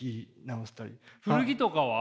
古着とかは？